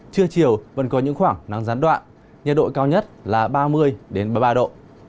trưa chiều vẫn có những khoảng nắng gián đoạn nhiệt độ cao nhất là ba mươi ba mươi ba độ